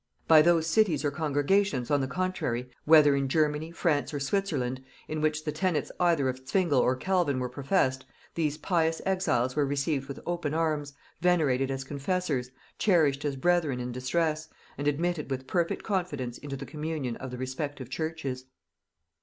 By those cities or congregations, on the contrary, whether in Germany, France, or Switzerland, in which the tenets either of Zwingle or Calvin were professed, these pious exiles were received with open arms, venerated as confessors, cherished as brethren in distress, and admitted with perfect confidence into the communion of the respective churches.